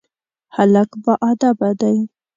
هلک باادبه دی.